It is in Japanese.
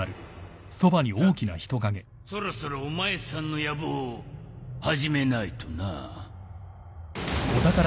さてそろそろお前さんの野望を始めないとな。